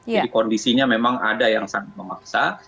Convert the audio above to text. jadi kondisinya memang ada yang sangat memaksa